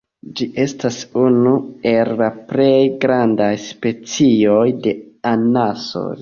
Ĝi estas unu el la plej grandaj specioj de anasoj.